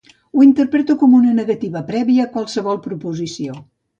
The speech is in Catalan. Ho interpreto com una negativa prèvia a qualsevol proposició.